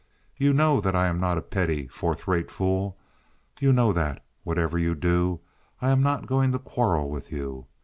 You know that I am not a petty, fourth rate fool. You know that, whatever you do, I am not going to quarrel with you.